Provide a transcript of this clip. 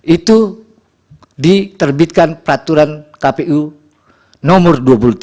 itu diterbitkan peraturan kpu nomor dua puluh tiga